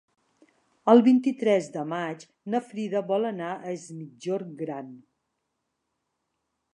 El vint-i-tres de maig na Frida vol anar a Es Migjorn Gran.